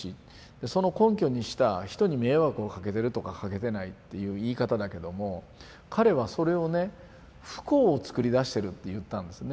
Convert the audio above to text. その根拠にした「人に迷惑をかけてる」とか「かけてない」っていう言い方だけども彼はそれをね「不幸を作り出してる」って言ったんですね。